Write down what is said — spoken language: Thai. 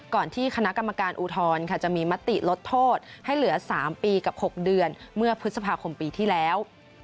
ก่อนที่คณะกรรมการอุทธรณ์จะมีมติลดโทษให้เหลือ๓ปีกับ๖เดือนเมื่อพฤษภาคมปีที่แล้ว